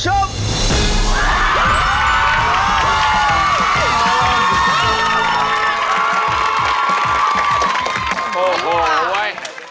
โอ้โหเว้ย